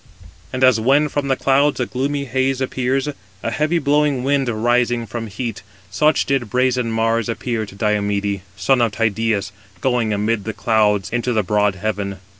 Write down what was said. And as when from the clouds, a gloomy haze appears, a heavy blowing wind arising from heat; such did brazen Mars appear to Diomede, son of Tydeus, going amid the clouds into the broad heaven.